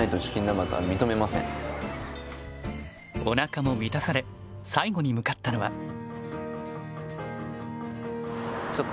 おなかも満たされ最後に向かったのは。